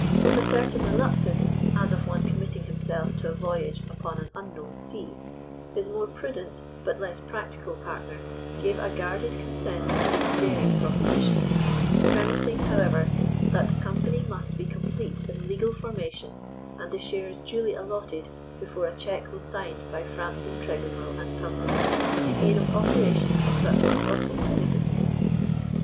With a certain reluctance, as of one committing himself to a voyage upon an unknown sea, his more prudent, but less practical partner gave a guarded consent to these daring propositions, premising, however, that the company must be complete in legal formation and the shares duly allotted, before a cheque was signed by Frampton Tregonwell and Company, in aid of operations of such colossal magnificence.